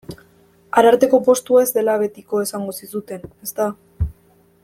Ararteko postua ez dela betiko esango zizuten, ezta?